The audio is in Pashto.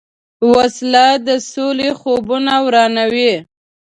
وسله د سولې خوبونه ورانوي